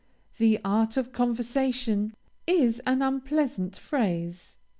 The "art of conversation" is an unpleasant phrase.